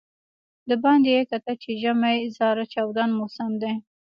د باندې یې کتل چې ژمی زاره چاودون موسم دی.